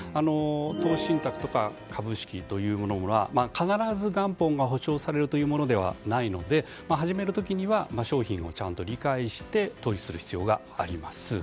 投資信託とか株式というものが必ず元本が保証されるというものではないので始める時には商品をちゃんと理解して投資する必要があります。